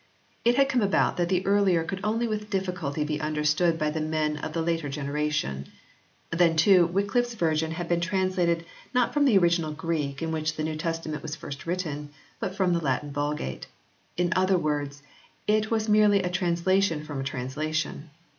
It had come about that the earlier could only with difficulty be under stood by the men of the later generation. Then, too, Wycliffe s version had been translated, not from the original Greek in which the New Testament was first written, but from the Latin Vulgate. In other words it was merely a translation from a translation.